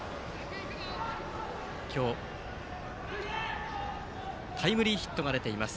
今日タイムリーヒットが出ています